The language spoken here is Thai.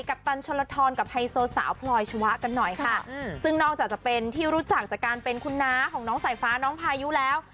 ปตันชนลทรกับไฮโซสาวพลอยชวะกันหน่อยค่ะซึ่งนอกจากจะเป็นที่รู้จักจากการเป็นคุณน้าของน้องสายฟ้าน้องพายุแล้ว